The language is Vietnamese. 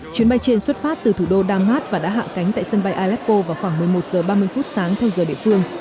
chuyến bay trên xuất phát từ thủ đô damas và đã hạ cánh tại sân bay aleppo vào khoảng một mươi một h ba mươi phút sáng theo giờ địa phương